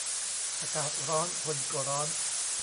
อากาศร้อน คนก็ร้อน